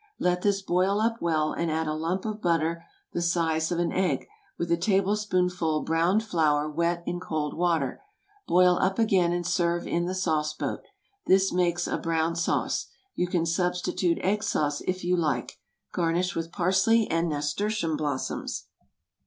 Let this boil up well and add a lump of butter the size of an egg, with a tablespoonful browned flour wet in cold water. Boil up again and serve in the sauce boat. This makes a brown sauce. You can substitute egg sauce if you like. Garnish with parsley and nasturtium blossoms.